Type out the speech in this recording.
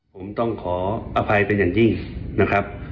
ผมต้องขออภัยเป็นอย่างยิ่งนะครับ